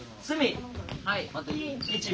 はい。